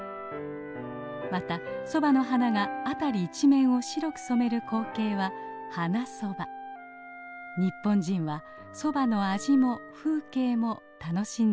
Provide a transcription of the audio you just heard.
またソバの花が辺り一面を白く染める光景は日本人はソバの味も風景も楽しんできたのです。